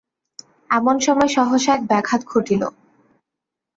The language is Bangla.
এমন সময় সহসা এক ব্যাঘাত ঘটিল।